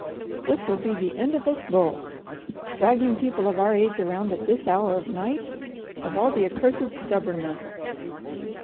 This will be the end of us both! Dragging people of our age around at this hour of night. Of all the accursed stubbornness!"